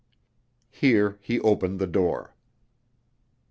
Here he opened the door.